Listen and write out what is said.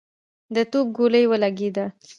د توپ ګولۍ ولګېده.